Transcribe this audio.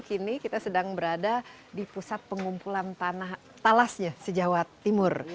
kini kita sedang berada di pusat pengumpulan talasnya sejauh timur